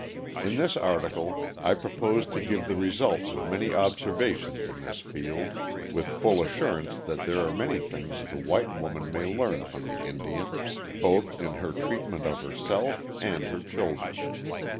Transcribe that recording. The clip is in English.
In this article I propose to give the results of many observations in this field, with full assurance that there are many things the white woman may learn from the Indian, both in her treatment of herself and her children.